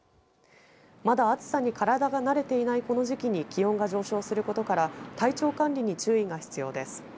まだ暑さに体が慣れていないこの時期に気温が上昇することから体調管理に注意が必要です。